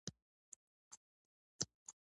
رومیان ژر پخیږي